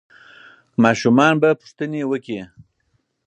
ماشومان به پوښتنې وکړي.